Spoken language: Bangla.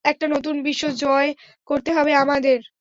একটা নতুন বিশ্ব জোয় করতে হবে আমাদের।